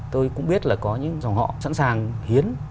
tôi cũng biết là có những dòng họ sẵn sàng hiến